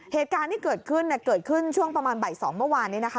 เหตุการณ์ที่เกิดขึ้นเกิดขึ้นช่วงประมาณบ่าย๒เมื่อวานนี้นะคะ